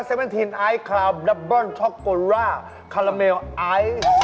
เวนทีนไอซราวดับเบิ้ลช็อกโกร่าคาราเมลไอซ์